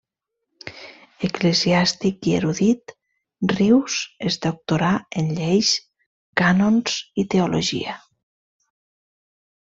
Eclesiàstic i erudit, Rius es doctorà en lleis, cànons i teologia.